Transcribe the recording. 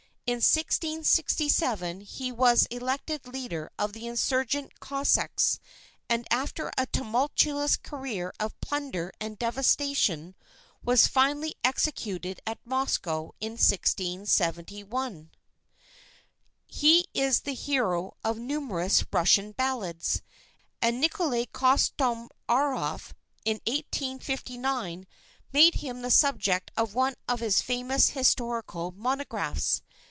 In 1667 he was elected leader of the insurgent Cossacks, and, after a tumultuous career of plunder and devastation, was finally executed at Moscow in 1671. He is the hero of numerous Russian ballads, and Nikolai Kostomaroff, in 1859, made him the subject of one of his famous historical monographs.